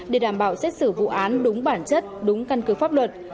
để đảm bảo xét xử vụ án đúng bản chất đúng căn cứ pháp luật